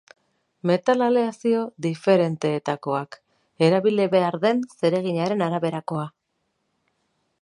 Metal aleazio diferenteetakoak, erabili behar den zereginaren araberakoa.